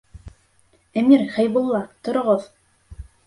Әмир, Хәйбулла тороғоҙ!